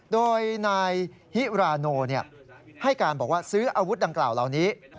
โดยนายฮิราโนให้การบอกว่าซื้ออาวุธดังกล่าวเหล่านี้